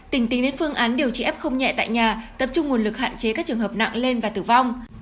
tỉnh tính đến phương án điều trị f không nhẹ tại nhà tập trung nguồn lực hạn chế các trường hợp nặng lên và tử vong